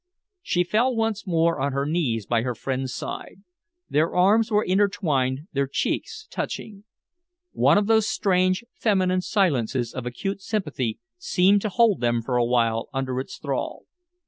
She fell once more on her knees by her friend's side. Their arms were intertwined, their cheeks touching. One of those strange, feminine silences of acute sympathy seemed to hold them for a while under its thrall.